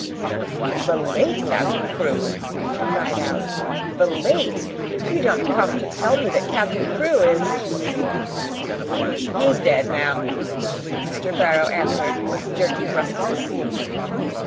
"The LATE Captain Crewe!" she cried out. "The LATE! You don't come to tell me that Captain Crewe is " "He's dead, ma'am," Mr. Barrow answered with jerky brusqueness.